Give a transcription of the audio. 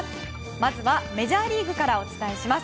まずはメジャーリーグからお伝えします。